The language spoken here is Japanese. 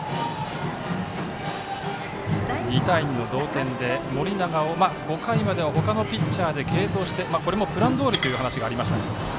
２対２の同点で、５回まではほかのピッチャーで継投してこれもプランどおりという話がありましたが。